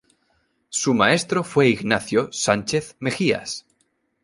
Su maestro fue Ignacio Sánchez Mejías.